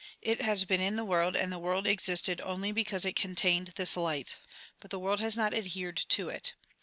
It has been in the world, and the world existed only because it con tained this light ; but the world has not adhered to it.